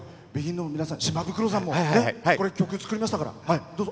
ＢＥＧＩＮの皆さん、島袋さん曲、作りましたから。